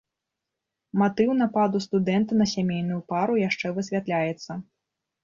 Матыў нападу студэнта на сямейную пару яшчэ высвятляецца.